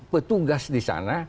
petugas di sana